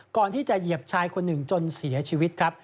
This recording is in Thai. ก่อนที่จะเหยียบชายคนหนึ่งจนเสียชีวิตครับ